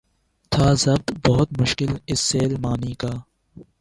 تھا ضبط بہت مشکل اس سیل معانی کا